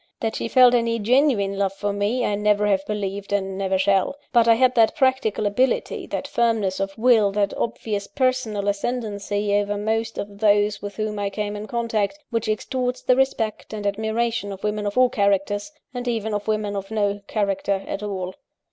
That she felt any genuine love for me I never have believed, and never shall: but I had that practical ability, that firmness of will, that obvious personal ascendancy over most of those with whom I came in contact, which extorts the respect and admiration of women of all characters, and even of women of no character at all.